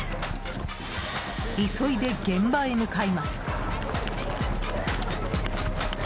急いで現場へ向かいます。